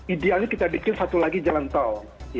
idealnya kita bikin satu lagi jalan tol